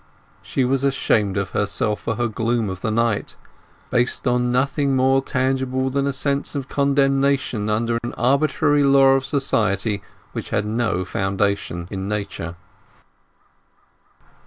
She was ashamed of herself for her gloom of the night, based on nothing more tangible than a sense of condemnation under an arbitrary law of society which had no foundation in Nature.